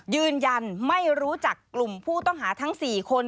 ยืนยันไม่รู้จักกลุ่มผู้ต้องหาทั้ง๔คน